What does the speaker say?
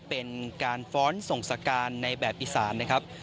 เป็นการฟ้อนส่งสการในแบบอีสานนะครับ